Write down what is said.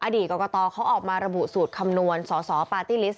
กรกตเขาออกมาระบุสูตรคำนวณสอสอปาร์ตี้ลิสต